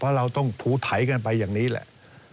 เพราะเราต้องถูไถกันไปอย่างนี้แหละ